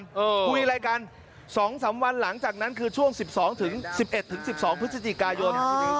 คุยอะไรกัน๒๓วันหลังจากนั้นคือช่วง๑๒ถึง๑๑๑๒พฤศจิกายน